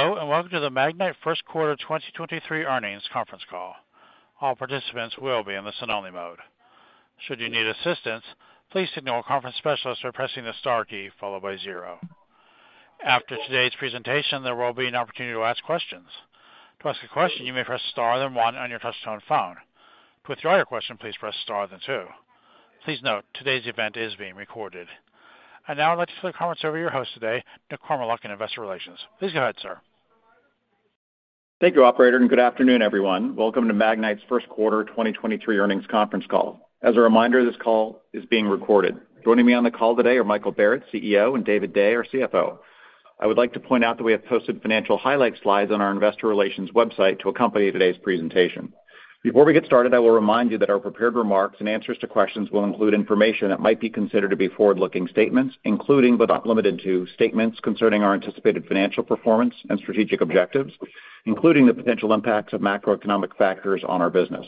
Hello, and welcome to the Magnite First Quarter 2023 Earnings Conference Call. All participants will be in the listen-only mode. Should you need assistance, please signal a conference specialist by pressing the star key followed by 0. After today's presentation, there will be an opportunity to ask questions. To ask a question, you may press star then 1 on your touchtone phone. To withdraw your question, please press star then 2. Please note, today's event is being recorded. Now I'd like to turn the conference over to your host today, Nick Kormeluk in Investor Relations. Please go ahead, sir. Thank you, operator. Good afternoon, everyone. Welcome to Magnite's First Quarter 2023 Earnings Conference Call. As a reminder, this call is being recorded. Joining me on the call today are Michael Barrett, CEO, and David Day, our CFO. I would like to point out that we have posted financial highlight Slides on our investor relations website to accompany today's presentation. Before we get started, I will remind you that our prepared remarks and answers to questions will include information that might be considered to be forward-looking statements, including but not limited to statements concerning our anticipated financial performance and strategic objectives, including the potential impacts of macroeconomic factors on our business.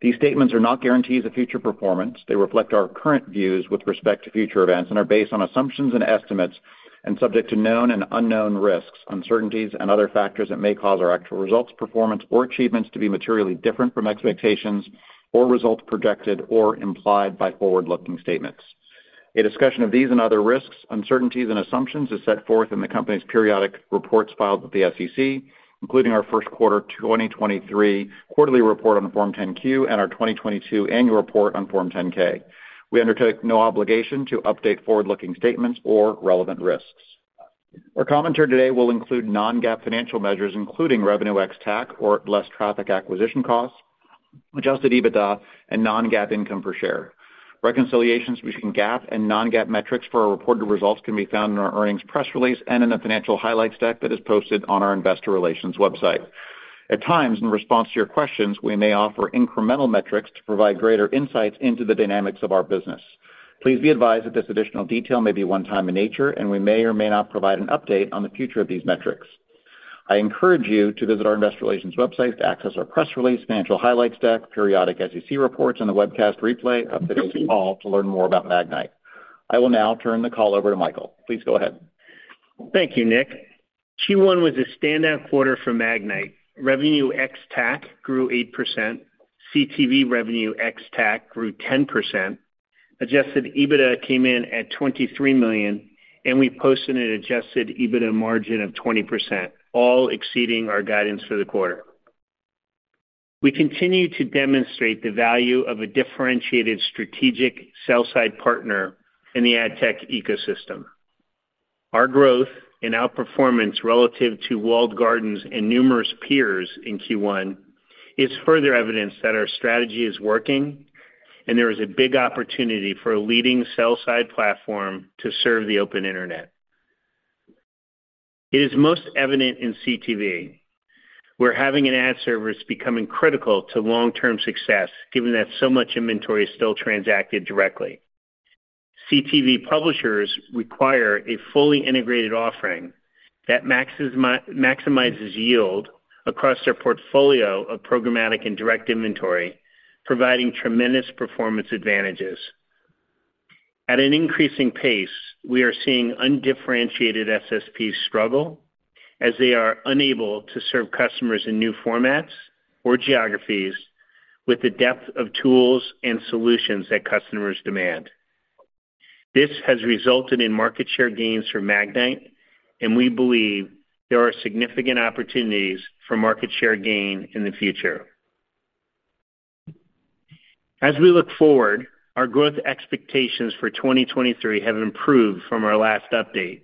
These statements are not guarantees of future performance. They reflect our current views with respect to future events and are based on assumptions and estimates and subject to known and unknown risks, uncertainties and other factors that may cause our actual results, performance or achievements to be materially different from expectations or results projected or implied by forward-looking statements. A discussion of these and other risks, uncertainties and assumptions is set forth in the company's periodic reports filed with the SEC, including our first quarter 2023 quarterly report on the form 10-Q and our 2022 annual report on form 10-K. We undertake no obligation to update forward-looking statements or relevant risks. Our commentary today will include non-GAAP financial measures, including revenue ex-TAC or less traffic acquisition costs, adjusted EBITDA and non-GAAP income per share. Reconciliations between GAAP and non-GAAP metrics for our reported results can be found in our earnings press release and in the financial highlights deck that is posted on our investor relations website. At times, in response to your questions, we may offer incremental metrics to provide greater insights into the dynamics of our business. Please be advised that this additional detail may be one-time in nature, and we may or may not provide an update on the future of these metrics. I encourage you to visit our investor relations website to access our press release, financial highlights deck, periodic SEC reports on the webcast replay of today's call to learn more about Magnite. I will now turn the call over to Michael. Please go ahead. Thank you, Nick. Q1 was a standout quarter for Magnite. Revenue ex-TAC grew 8%, CTV revenue ex-TAC grew 10%. Adjusted EBITDA came in at $23 million, and we posted an adjusted EBITDA margin of 20%, all exceeding our guidance for the quarter. We continue to demonstrate the value of a differentiated strategic sell-side partner in the ad tech ecosystem. Our growth and outperformance relative to walled gardens and numerous peers in Q1 is further evidence that our strategy is working and there is a big opportunity for a leading sell-side platform to serve the open internet. It is most evident in CTV, where having an ad server is becoming critical to long-term success, given that so much inventory is still transacted directly. CTV publishers require a fully integrated offering that maximizes yield across their portfolio of programmatic and direct inventory, providing tremendous performance advantages. At an increasing pace, we are seeing undifferentiated SSPs struggle as they are unable to serve customers in new formats or geographies with the depth of tools and solutions that customers demand. This has resulted in market share gains for Magnite. We believe there are significant opportunities for market share gain in the future. As we look forward, our growth expectations for 2023 have improved from our last update.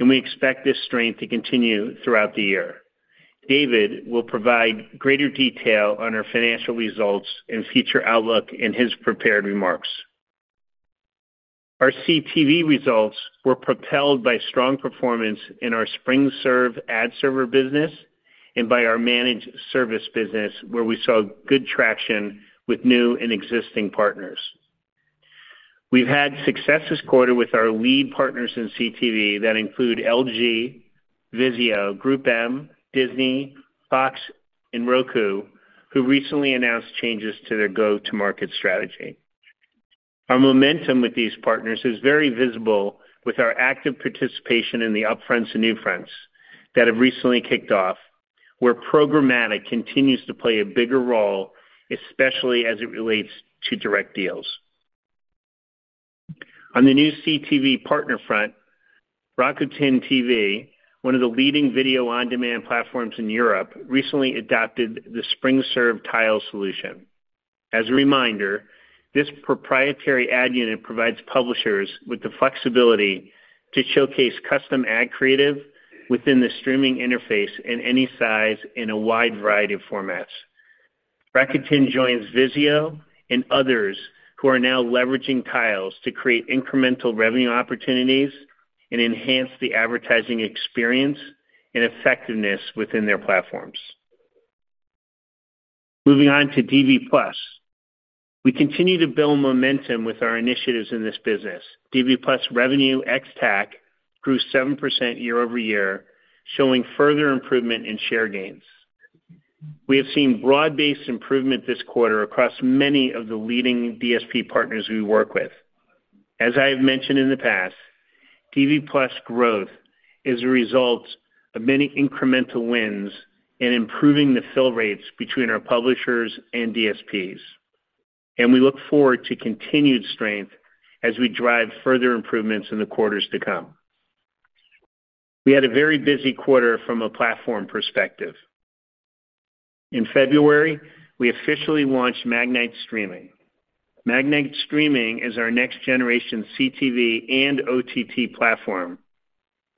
We expect this strength to continue throughout the year. David will provide greater detail on our financial results and future outlook in his prepared remarks. Our CTV results were propelled by strong performance in our SpringServe ad server business and by our managed service business, where we saw good traction with new and existing partners. We've had success this quarter with our lead partners in CTV that include LG, VIZIO, GroupM, Disney, FOX, and Roku, who recently announced changes to their go-to-market strategy. Our momentum with these partners is very visible with our active participation in the upfronts and new fronts that have recently kicked off, where programmatic continues to play a bigger role, especially as it relates to direct deals. On the new CTV partner front, Rakuten TV, 1 of the leading video-on-demand platforms in Europe, recently adopted the SpringServe Tiles solution. As a reminder, this proprietary ad unit provides publishers with the flexibility to showcase custom ad creative within the streaming interface in any size in a wide variety of formats. Rakuten joins VIZIO and others who are now leveraging Tiles to create incremental revenue opportunities and enhance the advertising experience and effectiveness within their platforms. Moving on to DV+. We continue to build momentum with our initiatives in this business. DV+ revenue ex-TAC grew 7% year-over-year, showing further improvement in share gains. We have seen broad-based improvement this quarter across many of the leading DSP partners we work with. As I have mentioned in the past, DV+ growth is a result of many incremental wins in improving the fill rates between our publishers and DSPs. We look forward to continued strength as we drive further improvements in the quarters to come. We had a very busy quarter from a platform perspective. In February, we officially launched Magnite Streaming. Magnite Streaming is our next generation CTV and OTT platform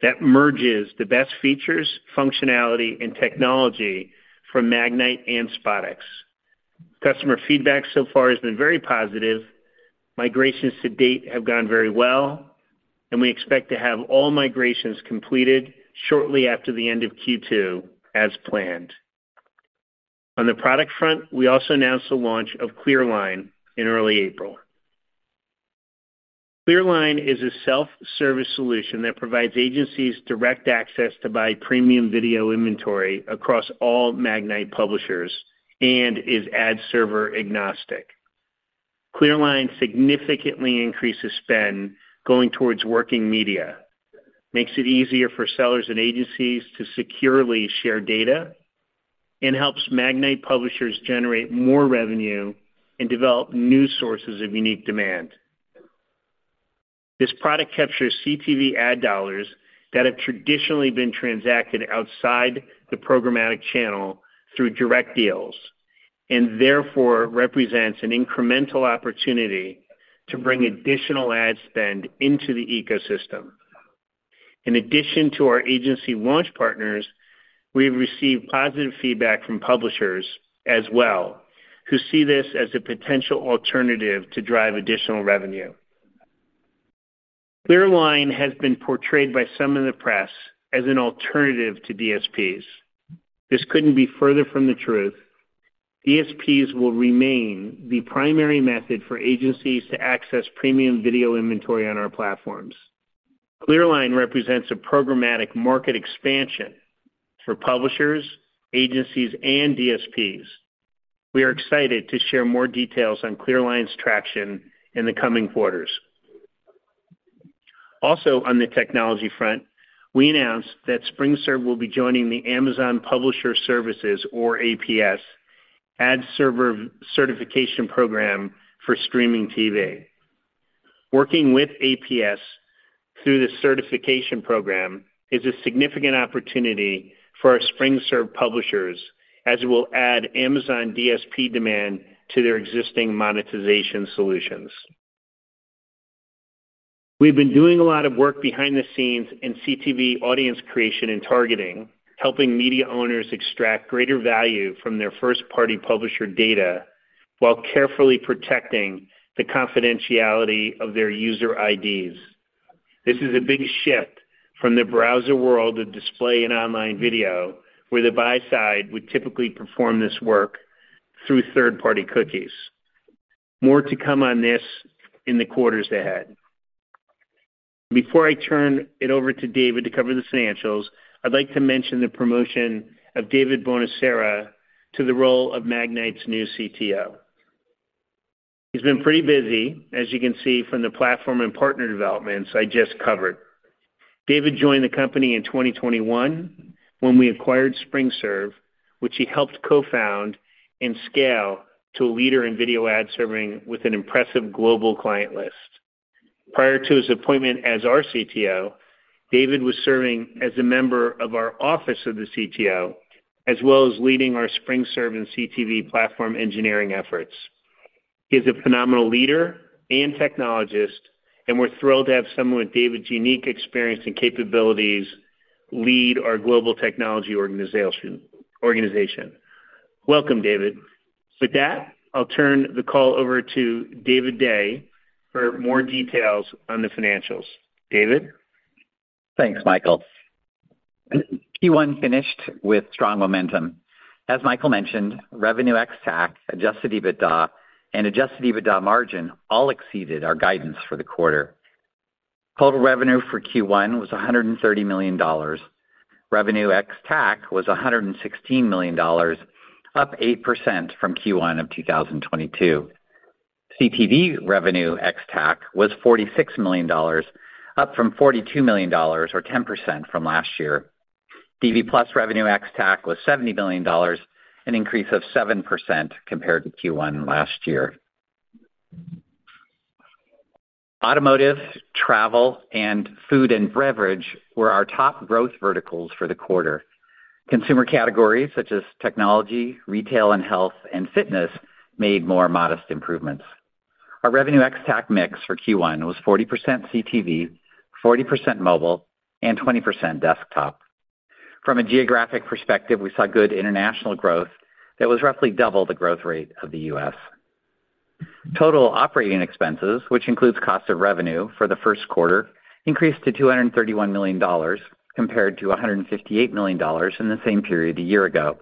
that merges the best features, functionality, and technology from Magnite and SpotX. Customer feedback so far has been very positive. Migrations to date have gone very well, and we expect to have all migrations completed shortly after the end of Q2 as planned. On the product front, we also announced the launch of ClearLine in early April. ClearLine is a self-service solution that provides agencies direct access to buy premium video inventory across all Magnite publishers and is ad server agnostic. ClearLine significantly increases spend going towards working media, makes it easier for sellers and agencies to securely share data, and helps Magnite publishers generate more revenue and develop new sources of unique demand. This product captures CTV ad dollars that have traditionally been transacted outside the programmatic channel through direct deals, and therefore represents an incremental opportunity to bring additional ad spend into the ecosystem. In addition to our agency launch partners, we've received positive feedback from publishers as well, who see this as a potential alternative to drive additional revenue. ClearLine has been portrayed by some in the press as an alternative to DSPs. This couldn't be further from the truth. DSPs will remain the primary method for agencies to access premium video inventory on our platforms. ClearLine represents a programmatic market expansion for publishers, agencies, and DSPs. We are excited to share more details on ClearLine's traction in the coming quarters. On the technology front, we announced that SpringServe will be joining the Amazon Publisher Services, or APS, ad server certification program for streaming TV. Working with APS through the certification program is a significant opportunity for our SpringServe publishers as it will add Amazon DSP demand to their existing monetization solutions. We've been doing a lot of work behind the scenes in CTV audience creation and targeting, helping media owners extract greater value from their first-party publisher data while carefully protecting the confidentiality of their user IDs. This is a big shift from the browser world of display and online video, where the buy side would typically perform this work through third-party cookies. More to come on this in the quarters ahead. Before I turn it over to David to cover the financials, I'd like to mention the promotion of David Buonocore to the role of Magnite's new CTO. He's been pretty busy, as you can see from the platform and partner developments I just covered. David joined the company in 2021 when we acquired SpringServe, which he helped co-found and scale to a leader in video ad serving with an impressive global client list. Prior to his appointment as our CTO, David was serving as a member of our office of the CTO, as well as leading our SpringServe and CTV platform engineering efforts. He's a phenomenal leader and technologist, and we're thrilled to have someone with David's unique experience and capabilities lead our global technology organization. Welcome, David. With that, I'll turn the call over to David Day for more details on the financials. David? Thanks, Michael. Q1 finished with strong momentum. As Michael mentioned, revenue ex-TAC, adjusted EBITDA, and adjusted EBITDA margin all exceeded our guidance for the quarter. Total revenue for Q1 was $130 million. Revenue Ex-TAC was $116 million, up 8% from Q1 of 2022. CTV revenue ex-TAC was $46 million, up from $42 million or 10% from last year. DV+ revenue ex-TAC was $70 million, an increase of 7% compared to Q1 last year. Automotive, travel, and food and beverage were our top growth verticals for the quarter. Consumer categories such as technology, retail, and health and fitness made more modest improvements. Our revenue ex-TAC mix for Q1 was 40% CTV, 40% mobile, and 20% desktop. From a geographic perspective, we saw good international growth that was roughly double the growth rate of the U.S. Total operating expenses, which includes cost of revenue for the first quarter, increased to $231 million, compared to $158 million in the same period a year ago,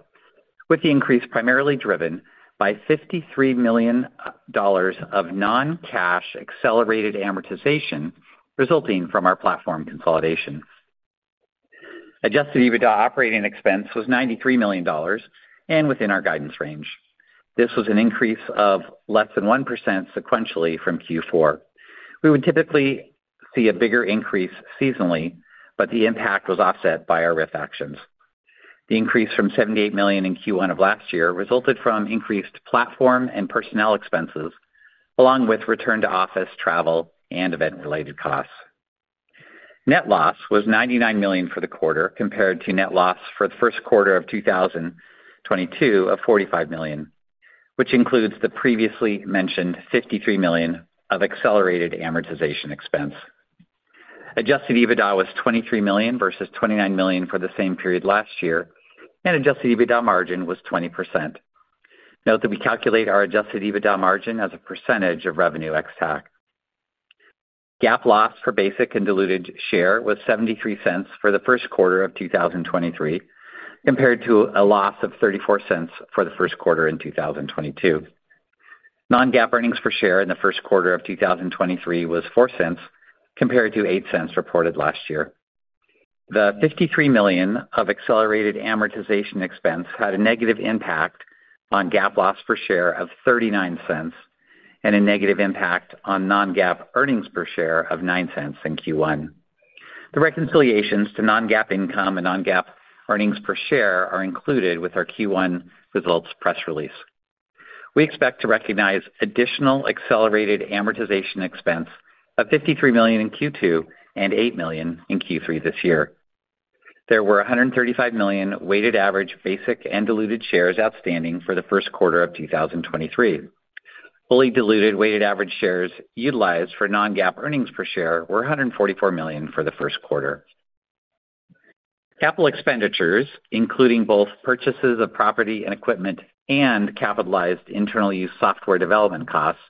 with the increase primarily driven by $53 million of non-cash accelerated amortization resulting from our platform consolidation. Adjusted EBITDA operating expense was $93 million and within our guidance range. This was an increase of less than 1% sequentially from Q4. We would typically see a bigger increase seasonally, but the impact was offset by our risk actions. The increase from $78 million in Q1 of last year resulted from increased platform and personnel expenses, along with return to office travel and event-related costs. Net loss was $99 million for the quarter compared to net loss for the first quarter of 2022 of $45 million, which includes the previously mentioned $53 million of accelerated amortization expense. Adjusted EBITDA was $23 million versus $29 million for the same period last year, and adjusted EBITDA margin was 20%. Note that we calculate our adjusted EBITDA margin as a percentage of revenue ex-TAC. GAAP loss per basic and diluted share was $0.73 for the first quarter of 2023, compared to a loss of $0.34 for the first quarter in 2022. Non-GAAP earnings per share in the first quarter of 2023 was $0.04 compared to $0.08 reported last year. The $53 million of accelerated amortization expense had a negative impact on GAAP loss per share of $0.39 and a negative impact on non-GAAP earnings per share of $0.09 in Q1. The reconciliations to non-GAAP income and non-GAAP earnings per share are included with our Q1 results press release. We expect to recognize additional accelerated amortization expense of $53 million in Q2 and $8 million in Q3 this year. There were 135 million weighted average basic and diluted shares outstanding for the first quarter of 2023. Fully diluted weighted average shares utilized for non-GAAP earnings per share were 144 million for the first quarter. Capital expenditures, including both purchases of property and equipment and capitalized internal use software development costs,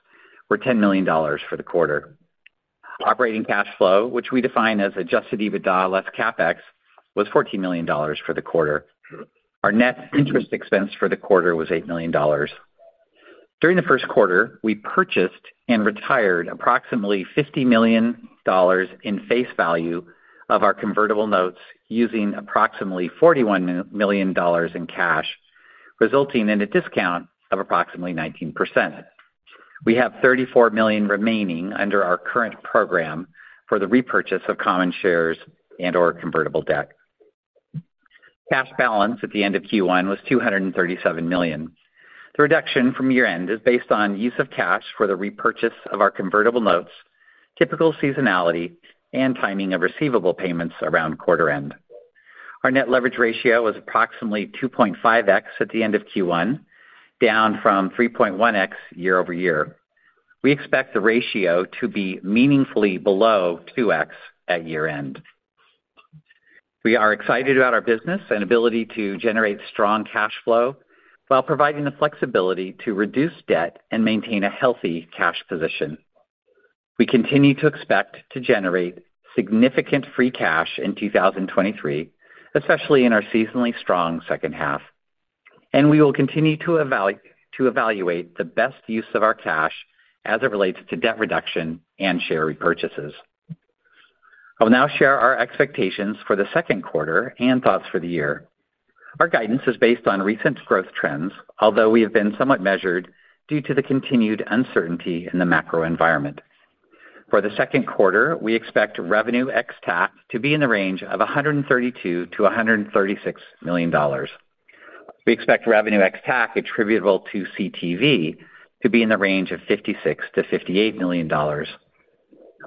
were $10 million for the quarter. Operating cash flow, which we define as adjusted EBITDA less CapEx, was $14 million for the quarter. Our net interest expense for the quarter was $8 million. During the first quarter, we purchased and retired approximately $50 million in face value of our convertible notes using approximately $41 million in cash, resulting in a discount of approximately 19%. We have $34 million remaining under our current program for the repurchase of common shares and/or convertible debt. Cash balance at the end of Q1 was $237 million. The reduction from year-end is based on use of cash for the repurchase of our convertible notes, typical seasonality, and timing of receivable payments around quarter end. Our net leverage ratio was approximately 2.5x at the end of Q1, down from 3.1x year-over-year. We expect the ratio to be meaningfully below 2x at year-end. We are excited about our business and ability to generate strong cash flow while providing the flexibility to reduce debt and maintain a healthy cash position. We continue to expect to generate significant free cash in 2023, especially in our seasonally strong second 1/2. We will continue to evaluate the best use of our cash as it relates to debt reduction and share repurchases. I will now share our expectations for the second quarter and thoughts for the year. Our guidance is based on recent growth trends, although we have been somewhat measured due to the continued uncertainty in the macro environment. For the second quarter, we expect revenue ex-TAC to be in the range of $132 million-$136 million. We expect revenue ex-TAC attributable to CTV to be in the range of $56 million-$58 million.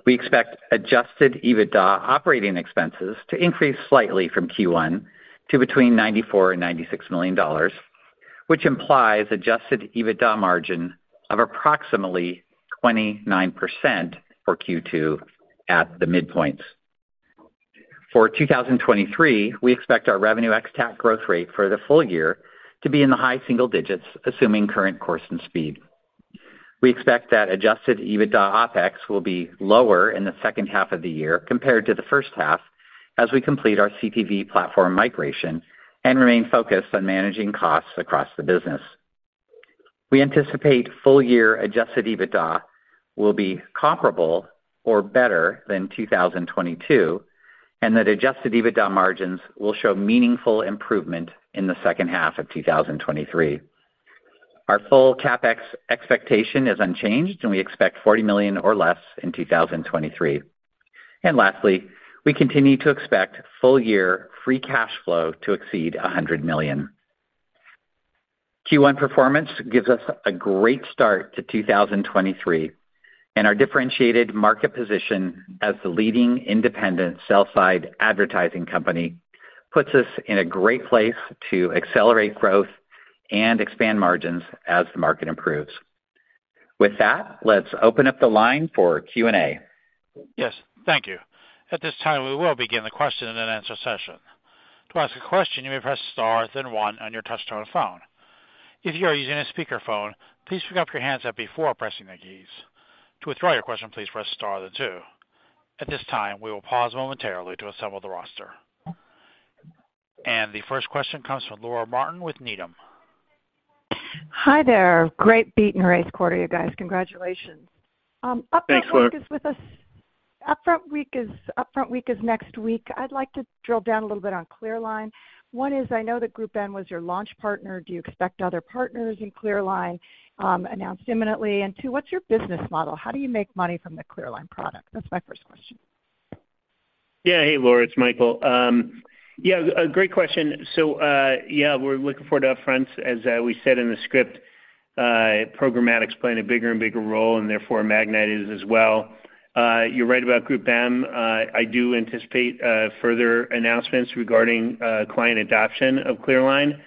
We expect adjusted EBITDA OpEx to increase slightly from Q1 to between $94 million and $96 million, which implies adjusted EBITDA margin of approximately 29% for Q2 at the midpoints. For 2023, we expect our revenue ex-TAC growth rate for the full year to be in the high single digits, assuming current course and speed. We expect that adjusted EBITDA OpEx will be lower in the second 1/2 of the year compared to the first 1/2 as we complete our CTV platform migration and remain focused on managing costs across the business. We anticipate full year adjusted EBITDA will be comparable or better than 2022, and that adjusted EBITDA margins will show meaningful improvement in the second 1/2 of 2023. Our full CapEx expectation is unchanged, and we expect $40 million or less in 2023. Lastly, we continue to expect full year free cash flow to exceed $100 million. Q1 performance gives us a great start to 2023, and our differentiated market position as the leading independent sell side advertising company puts us in a great place to accelerate growth and expand margins as the market improves. With that, let's open up the line for Q&A. Yes, thank you. At this time, we will begin the question and answer session. To ask a question, you may press star then 1 on your touchtone phone. If you are using a speakerphone, please pick up your handset before pressing the keys. To withdraw your question, please press star then 2. At this time, we will pause momentarily to assemble the roster. The first question comes from Laura Martin with Needham. Hi there. Great beat and raise quarter, you guys. Congratulations. Thanks, Laura. Upfront week is with us. Upfront week is next week. I'd like to drill down a little bit on ClearLine. 1 is, I know that GroupM was your launch partner. Do you expect other partners in ClearLine announced imminently? Two, what's your business model? How do you make money from the ClearLine product? That's my first question. Hey, Laura, it's Michael. A great question. Yeah, we're looking for the Upfronts, as we said in the script, programmatic's playing a bigger and bigger role, and therefore Magnite is as well. You're right about GroupM. I do anticipate further announcements regarding client adoption of ClearLine,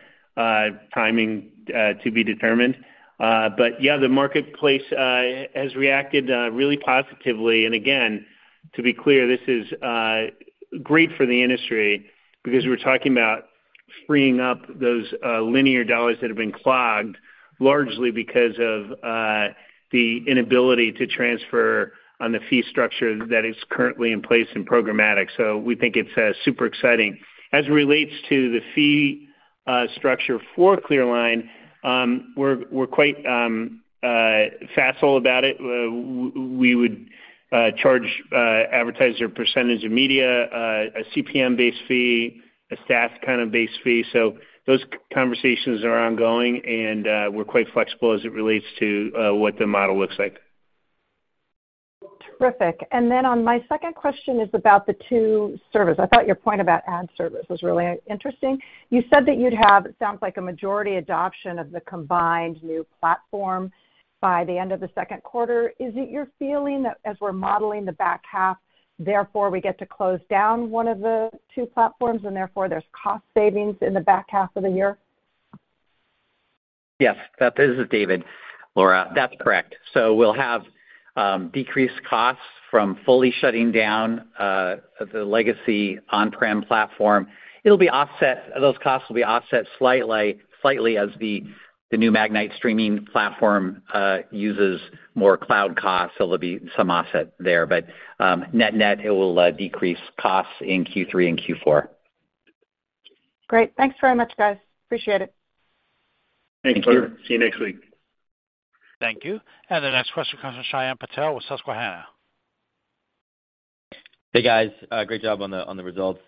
timing to be determined. Yeah, the marketplace has reacted really positively. Again, to be clear, this is great for the industry because we're talking about freeing up those linear dollars that have been clogged largely because of the inability to transfer on the fee structure that is currently in place in programmatic. We think it's super exciting. As it relates to the fee structure for ClearLine, we're quite facile about it. We would charge advertiser percentage of media, a CPM-based fee, a staff kind of base fee. Those conversations are ongoing, and we're quite flexible as it relates to what the model looks like. Terrific. On my second question is about the 2 servers. I thought your point about ad servers was really interesting. You said that you'd have, it sounds like a majority adoption of the combined new platform by the end of the second quarter. Is it your feeling that as we're modeling the back 1/2, therefore, we get to close down 1 of the 2 platforms, and therefore there's cost savings in the back 1/2 of the year? Yes. This is David. Laura, that's correct. We'll have decreased costs from fully shutting down the legacy on-prem platform. It'll be offset. Those costs will be offset slightly as the new Magnite Streaming platform uses more cloud costs. Net-net, it will decrease costs in Q3 and Q4. Great. Thanks very much, guys. Appreciate it. Thanks, Laura. See you next week. Thank you. The next question comes from Shyam Patil with Susquehanna. Hey, guys. Great job on the, on the results.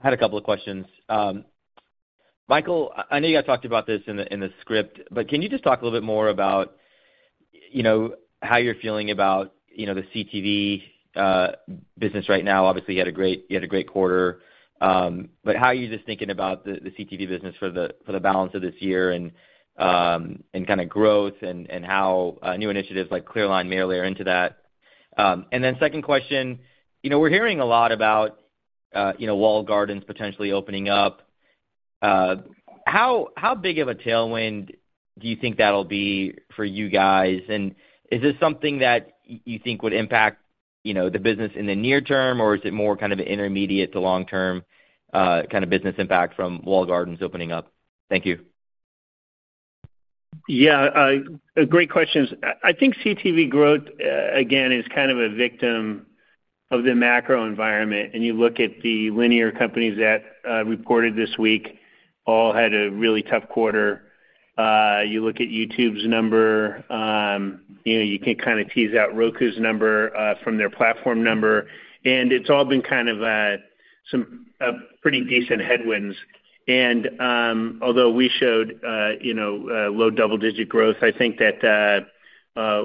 Had a couple of questions. Michael, I know you guys talked about this in the, in the script, but can you just talk a little bit more about, you know, how you're feeling about, you know, the CTV business right now? Obviously, you had a great quarter, but how are you just thinking about the CTV business for the balance of this year and kinda growth and how new initiatives like ClearLine may layer into that? Second question, you know, we're hearing a lot about, you know, wall gardens potentially opening up. How big of a tailwind do you think that'll be for you guys? Is this something that you think would impact, you know, the business in the near term, or is it more kind of an intermediate to long-term, kinda business impact from walled gardens opening up? Thank you. Yeah. Great questions. I think CTV growth, again, is kind of a victim of the macro environment. You look at the linear companies that reported this week all had a really tough quarter. You look at YouTube's number, you know, you can kinda tease out Roku's number from their platform number, and it's all been kind of some pretty decent headwinds. Although we showed, you know, low double-digit growth, I think that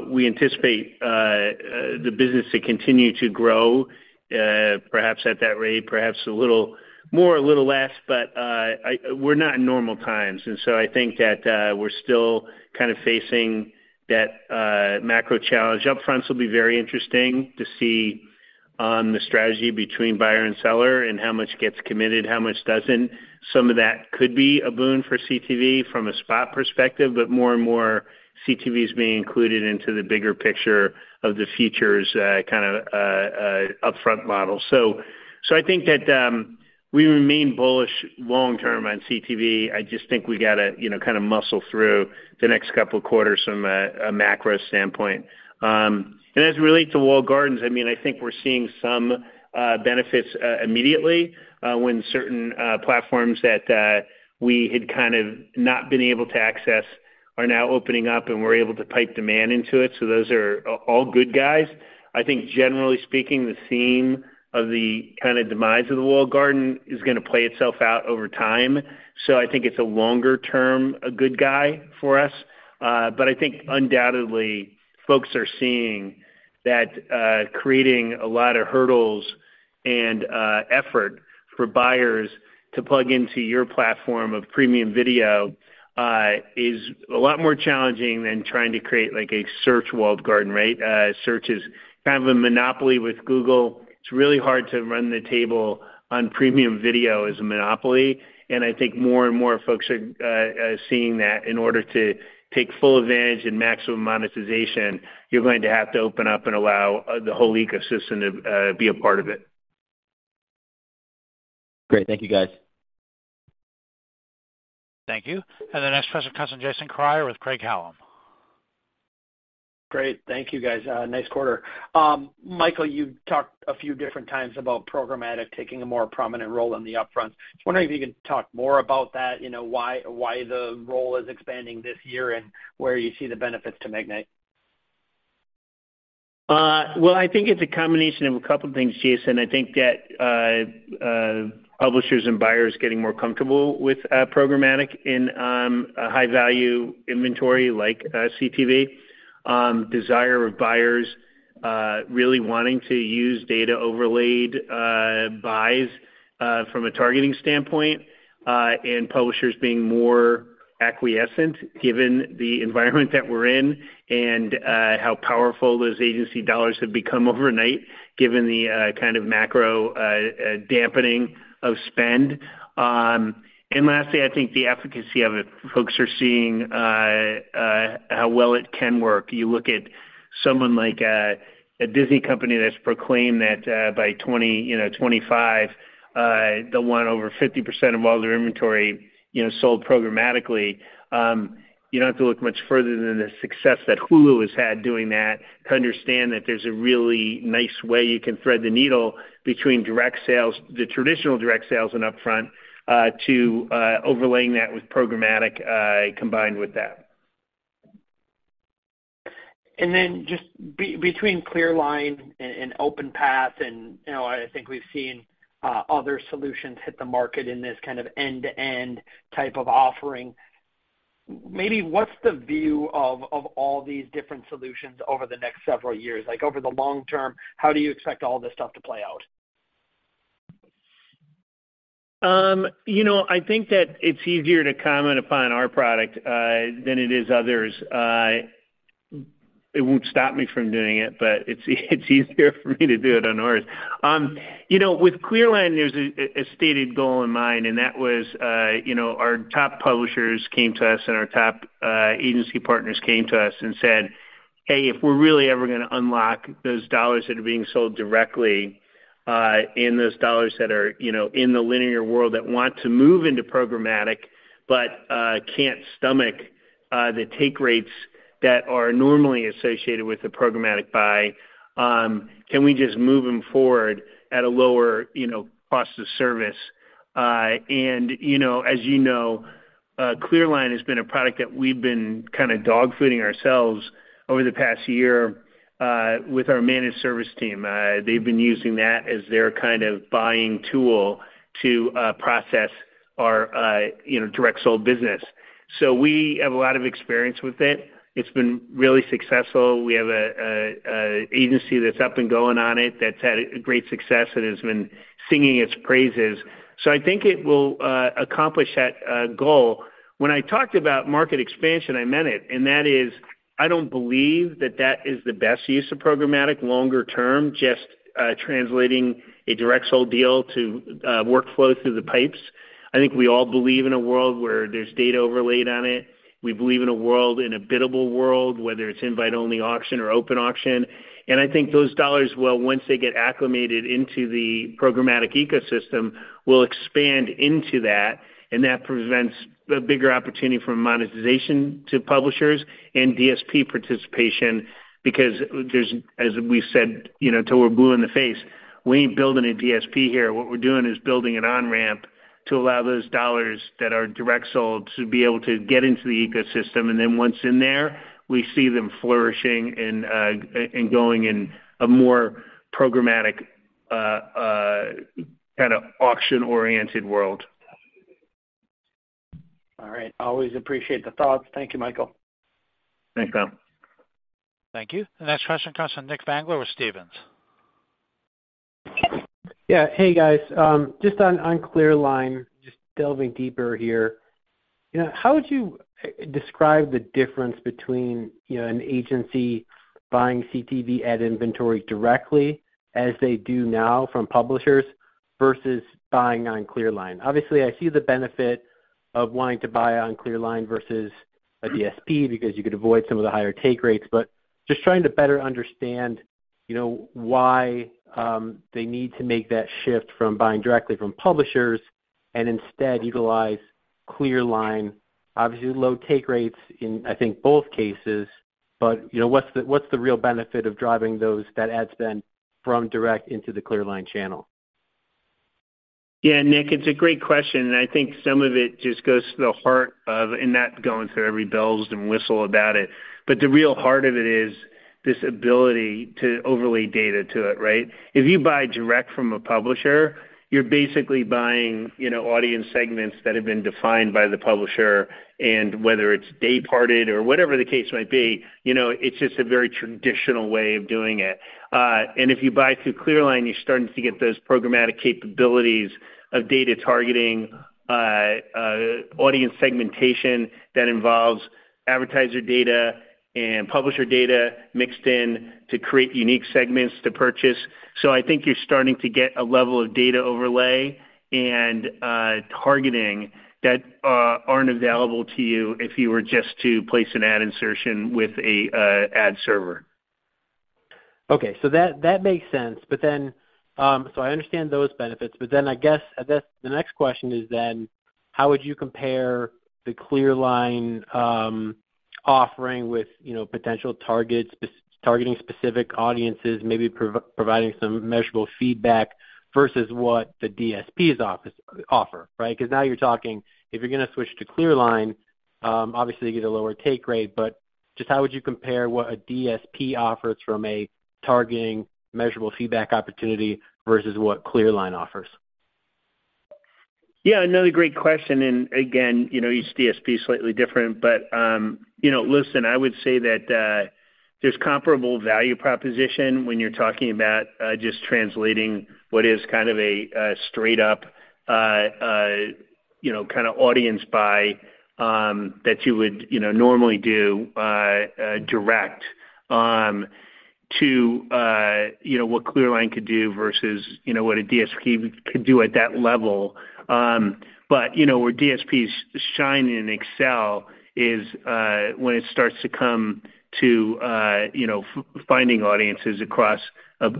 we anticipate the business to continue to grow perhaps at that rate, perhaps a little more, a little less. We're not in normal times, and so I think that we're still kind of facing that macro challenge. Upfronts will be very interesting to see on the strategy between buyer and seller and how much gets committed, how much doesn't. Some of that could be a boon for CTV from a spot perspective, but more and more CTV is being included into the bigger picture of the future's kinda upfront model. I think that we remain bullish long term on CTV. I just think we gotta, you know, kinda muscle through the next couple of quarters from a macro standpoint. As it relate to walled gardens, I mean, I think we're seeing some benefits immediately when certain platforms that we had kind of not been able to access are now opening up, and we're able to pipe demand into it. So those are all good guys. I think generally speaking, the theme of the kinda demise of the walled garden is gonna play itself out over time. I think it's a longer term, a good guy for us. But I think undoubtedly folks are seeing that creating a lot of hurdles and effort for buyers to plug into your platform of premium video is a lot more challenging than trying to create like a search walled garden, right? Search is kind of a monopoly with Google. It's really hard to run the table on premium video as a monopoly. I think more and more folks are seeing that in order to take full advantage and maximum monetization, you're going to have to open up and allow the whole ecosystem to be a part of it. Great. Thank you, guys. Thank you. The next question comes from Jason Kreyer with Craig-Hallum. Great. Thank you, guys. nice quarter. Michael, you talked a few different times about programmatic taking a more prominent role in the upfront. Just wondering if you can talk more about that, you know, why the role is expanding this year and where you see the benefits to Magnite? Well, I think it's a combination of a couple things, Jason. I think that publishers and buyers getting more comfortable with programmatic in a high-value inventory like CTV. Desire of buyers really wanting to use data-overlaid buys from a targeting standpoint, and publishers being more acquiescent given the environment that we're in and how powerful those agency dollars have become overnight, given the kind of macro dampening of spend. Lastly, I think the efficacy of it. Folks are seeing how well it can work. You look at someone like a Disney company that's proclaimed that by 2025, they want over 50% of all their inventory, you know, sold programmatically. You don't have to look much further than the success that Hulu has had doing that to understand that there's a really nice way you can thread the needle between direct sales, the traditional direct sales and upfront, to overlaying that with programmatic, combined with that. and OpenPath and, you know, I think we've seen other solutions hit the market in this kind of end-to-end type of offering. Maybe what's the view of all these different solutions over the next several years? Like, over the long term, how do you expect all this stuff to play out? You know, I think that it's easier to comment upon our product, than it is others. It won't stop me from doing it, but it's easier for me to do it on ours. You know, with Clearline, there's a stated goal in mind, and that was, you know, our top publishers came to us and our top agency partners came to us and said, "Hey, if we're really ever gonna unlock those dollars that are being sold directly, and those dollars that are, you know, in the linear world that want to move into programmatic but, can't stomach the take rates that are normally associated with the programmatic buy, can we just move them forward at a lower, you know, cost of service?" You know, as you know, Clearline has been a product that we've been kind of dogfooding ourselves over the past year, with our managed service team. They've been using that as their kind of buying tool to process our, you know, direct sold business. We have a lot of experience with it. It's been really successful. We have a agency that's up and going on it that's had a great success and has been singing its praises. I think it will accomplish that goal. When I talked about market expansion, I meant it, and that is, I don't believe that that is the best use of programmatic longer term, just translating a direct sold deal to workflow through the pipes. I think we all believe in a world where there's data overlaid on it. We believe in a world, in a biddable world, whether it's invite only auction or open auction. I think those dollars will, once they get acclimated into the programmatic ecosystem, will expand into that, and that prevents a bigger opportunity for monetization to publishers and DSP participation, because there's, as we said, you know, till we're blue in the face, we ain't building a DSP here. What we're doing is building an on-ramp to allow those dollars that are direct sold to be able to get into the ecosystem. Then once in there, we see them flourishing and going in a more programmatic kinda auction-oriented world. All right. Always appreciate the thoughts. Thank you, Michael. Thanks, man. Thank you. The next question comes from Nick Zangler with Stephens. Yeah. Hey, guys. Just on Clearline, just delving deeper here. You know, how would you describe the difference between, you know, an agency buying CTV ad inventory directly, as they do now from publishers, versus buying on Clearline? Obviously, I see the benefit of wanting to buy on Clearline versus a DSP because you could avoid some of the higher take rates, but just trying to better understand, you know, why they need to make that shift from buying directly from publishers and instead utilize Clearline. Obviously, low take rates in, I think, both cases, but, you know, what's the, what's the real benefit of driving those, that ad spend from direct into the Clearline channel? Yeah. Nick, it's a great question, and I think some of it just goes to the heart of, and not going through every bells and whistles about it, but the real heart of it is this ability to overlay data to it, right? If you buy direct from a publisher, you're basically buying, you know, audience segments that have been defined by the publisher, and whether it's dayparted or whatever the case might be, you know, it's just a very traditional way of doing it. If you buy through ClearLine, you're starting to get those programmatic capabilities of data targeting, audience segmentation that involves advertiser data and publisher data mixed in to create unique segments to purchase. I think you're starting to get a level of data overlay and targeting that aren't available to you if you were just to place an ad insertion with a ad server. Okay. That, that makes sense. I understand those benefits, I guess the next question is how would you compare the Clearline offering with, you know, potential targets, targeting specific audiences, maybe providing some measurable feedback versus what the DSPs offer, right? Now you're talking if you're gonna switch to Clearline, obviously you get a lower take rate, but just how would you compare what a DSP offers from a targeting measurable feedback opportunity versus what Clearline offers? Another great question, and again, you know, each DSP is slightly different. Listen, I would say that there's comparable value proposition when you're talking about just translating what is kind of a straight up, you know, kind of audience buy that you would, you know, normally do direct to, you know, what ClearLine could do versus, you know, what a DSP could do at that level. Where DSPs shine and excel is when it starts to come to finding audiences across a,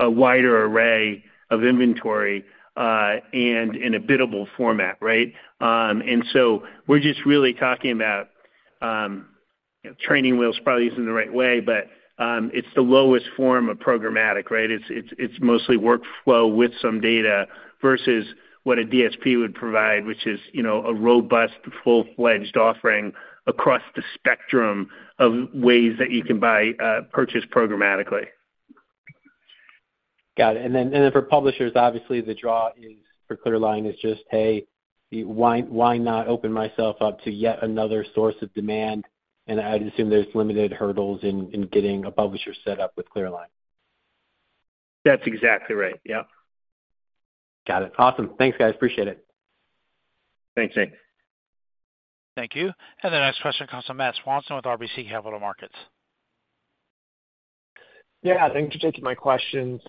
a wider array of inventory and in a biddable format, right? So we're just really talking about, you know, training wheels probably isn't the right way, but it's the lowest form of programmatic, right? It's mostly workflow with some data versus what a DSP would provide, which is, you know, a robust full-fledged offering across the spectrum of ways that you can buy, purchase programmatically. Got it. For publishers, obviously the draw is for Clearline is just, hey, why not open myself up to yet another source of demand? I'd assume there's limited hurdles in getting a publisher set up with Clearline. That's exactly right. Yep. Got it. Awesome. Thanks, guys. Appreciate it. Thanks. Thank you. The next question comes from Matt Swanson with RBC Capital Markets. Yeah, thanks for taking my questions.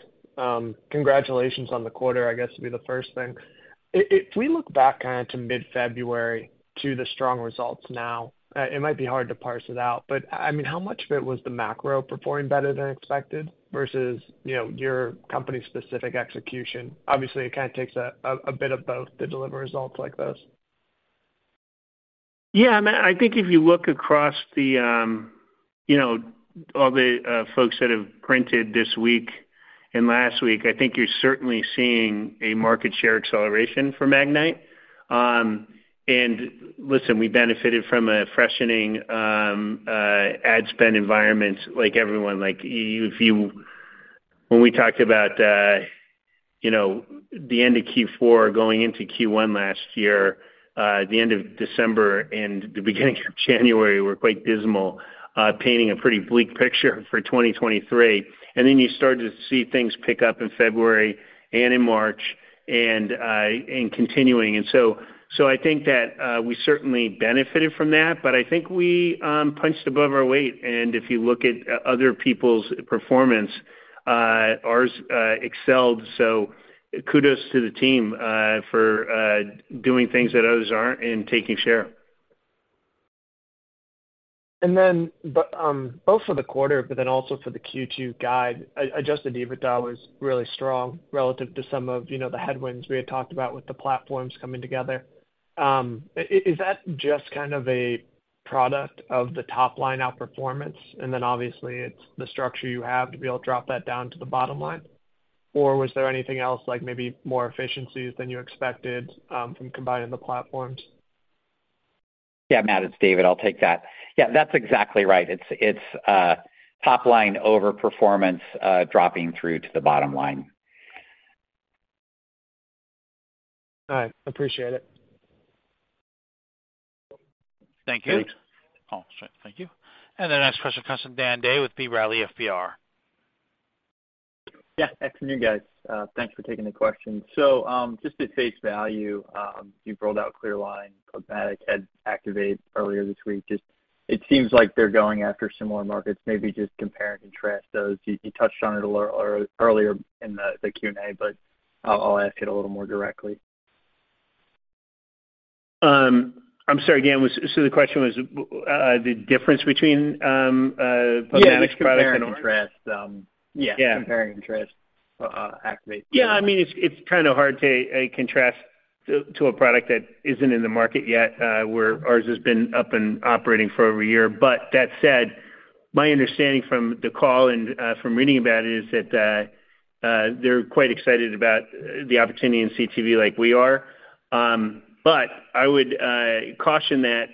Congratulations on the quarter, I guess, would be the first thing. If, if we look back kinda to mid-February to the strong results now, it might be hard to parse it out, but, I mean, how much of it was the macro performing better than expected versus, you know, your company-specific execution? Obviously, it kind of takes a bit of both to deliver results like this. Yeah, Matt, I think if you look across the, you know, all the folks that have printed this week and last week, I think you're certainly seeing a market share acceleration for Magnite. Listen, we benefited from a freshening ad spend environment like everyone. Like if you... When we talked about, you know, the end of Q4 going into Q1 last year, the end of December and the beginning of January were quite dismal, painting a pretty bleak picture for 2023. Then you started to see things pick up in February and in March and continuing. I think that we certainly benefited from that, but I think we punched above our weight. If you look at other people's performance, ours excelled. Kudos to the team, for doing things that others aren't and taking share. Both for the quarter, but also for the Q2 guide, adjusted EBITDA was really strong relative to some of, you know, the headwinds we had talked about with the platforms coming together. Is that just kind of a product of the top line outperformance and then obviously it's the structure you have to be able to drop that down to the bottom line? Or was there anything else like maybe more efficiencies than you expected from combining the platforms? Yeah, Matt, it's David. I'll take that. Yeah, that's exactly right. It's top line overperformance dropping through to the bottom line. All right. Appreciate it. Thank you. Thanks. Oh, sorry. Thank you. The next question comes from Dan Day with B. Riley Securities. Afternoon, guys. Thanks for taking the question. Just at face value, you've rolled out ClearLine. Publicis had Activate earlier this week. Just, it seems like they're going after similar markets, maybe just compare and contrast those. You touched on it a little earlier in the Q&A, but I'll ask it a little more directly. I'm sorry. Dan, so the question was, the difference between Publicis product and. Yeah, just compare and contrast. Yeah. Yeah, comparing and contrast, Activate. Yeah. I mean, it's kind of hard to contrast to a product that isn't in the market yet, where ours has been up and operating for over a year. That said, my understanding from the call and from reading about it is that they're quite excited about the opportunity in CTV like we are. I would caution that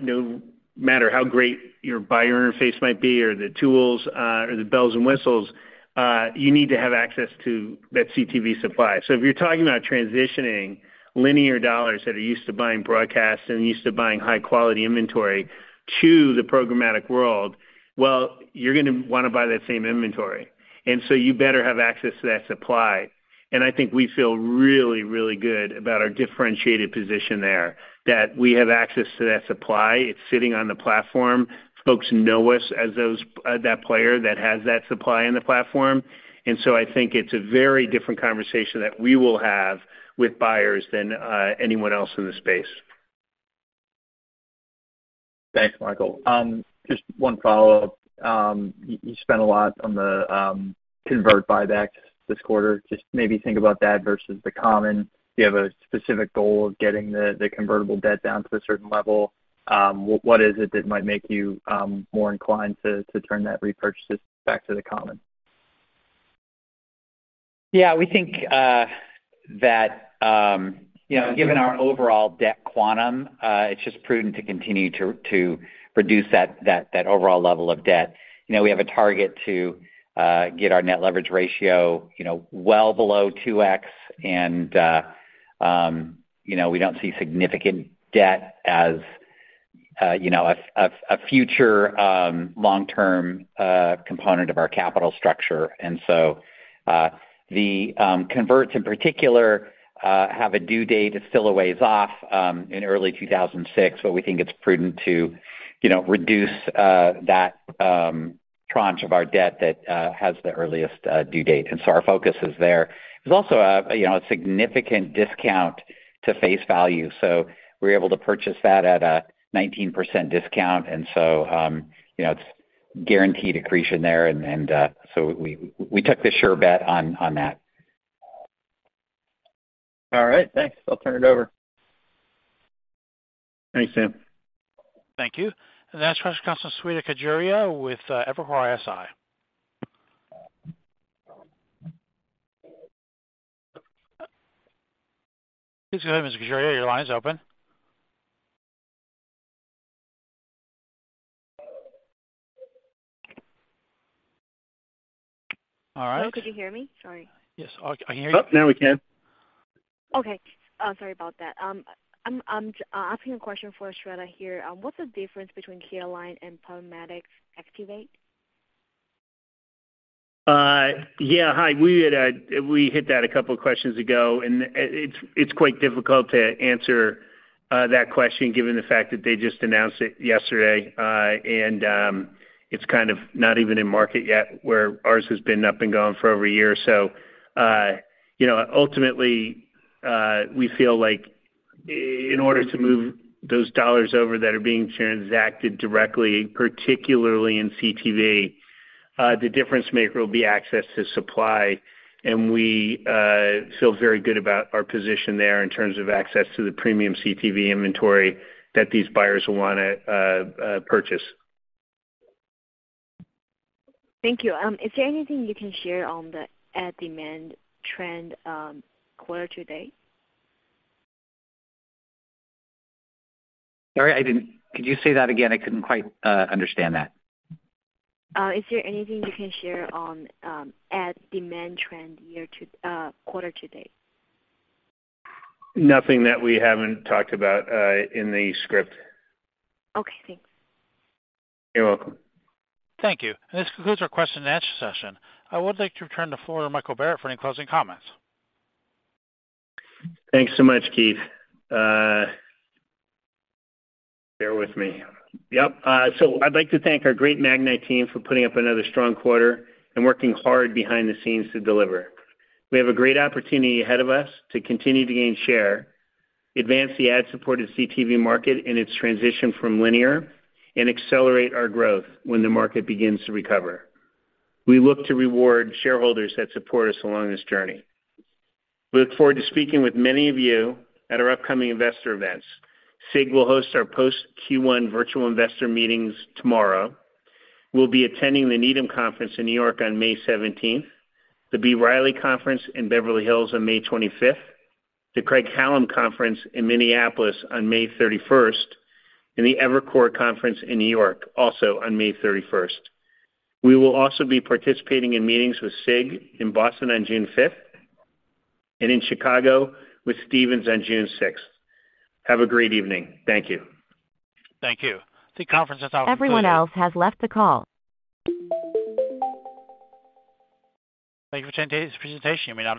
no matter how great your buyer interface might be or the tools or the bells and whistles, you need to have access to that CTV supply. If you're talking about transitioning linear dollars that are used to buying broadcast and used to buying high-quality inventory to the programmatic world, well, you're gonna wanna buy that same inventory, you better have access to that supply. I think we feel really good about our differentiated position there, that we have access to that supply. It's sitting on the platform. Folks know us as those, that player that has that supply in the platform. I think it's a very different conversation that we will have with buyers than anyone else in the space. Thanks, Michael. Just 1 follow-up. You spent a lot on the convert buyback this quarter. Just maybe think about that versus the common. Do you have a specific goal of getting the convertible debt down to a certain level? What is it that might make you more inclined to turn that repurchase back to the common? Yeah, we think that, you know, given our overall debt quantum, it's just prudent to continue to reduce that overall level of debt. You know, we have a target to get our net leverage ratio, you know, well below 2x and, you know, we don't see significant debt as, you know, a future long-term component of our capital structure. The converts, in particular, have a due date. It's still a ways off, in early 2006. We think it's prudent to, you know, reduce that tranche of our debt that has the earliest due date. Our focus is there. There's also a, you know, a significant discount to face value, so we're able to purchase that at a 19% discount. You know, it's guaranteed accretion there. We took the sure bet on that. All right. Thanks. I'll turn it over. Thanks, Shyam. Thank you. The next question comes from Shweta Khajuria with Evercore ISI. Please go ahead, Ms. Khajuria. Your line is open. All right. Hello, could you hear me? Sorry. Yes, I can hear you. Now we can. Sorry about that. I'm asking a question for Shweta Khajuria here. What's the difference between ClearLine and Publicis' Activate? Yeah, hi. We had, we hit that a couple of questions ago, and it's quite difficult to answer that question given the fact that they just announced it yesterday. It's kind of not even in market yet where ours has been up and going for over a year. You know, ultimately, we feel like in order to move those dollars over that are being transacted directly, particularly in CTV, the difference-maker will be access to supply, and we feel very good about our position there in terms of access to the premium CTV inventory that these buyers will wanna purchase. Thank you. Is there anything you can share on the ad demand trend, quarter to date? Could you say that again? I couldn't quite understand that. Is there anything you can share on ad demand trend year to quarter to date? Nothing that we haven't talked about in the script. Okay, thanks. You're welcome. Thank you. This concludes our question and answer session. I would like to turn the floor to Michael Barrett for any closing comments. Thanks so much, Keith. Bear with me. I'd like to thank our great Magnite team for putting up another strong quarter and working hard behind the scenes to deliver. We have a great opportunity ahead of us to continue to gain share, advance the ad-supported CTV market in its transition from linear, and accelerate our growth when the market begins to recover. We look to reward shareholders that support us along this journey. We look forward to speaking with many of you at our upcoming investor events. Susquehanna International Group will host our post-Q1 virtual investor meetings tomorrow. We'll be attending the Needham Conference in New York on May 17th, the B. Riley Conference in Beverly Hills on May 25th, the Craig-Hallum Conference in Minneapolis on May 31st, and the Evercore Conference in New York, also on May 31st. We will also be participating in meetings with Susquehanna International Group in Boston on June fifth and in Chicago with Stephens on June sixth. Have a great evening. Thank you. Thank you. The conference is now concluded. Everyone else has left the call. Thank you for attending today's presentation. You may now disconnect.